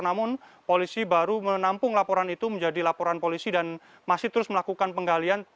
namun polisi baru menampung laporan itu menjadi laporan polisi dan masih terus melakukan penggalian